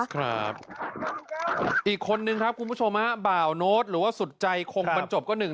ครับอีกคนนึงครับคุณผู้ชมฮะบ่าวโน้ตหรือว่าสุดใจคงบรรจบก็หนึ่ง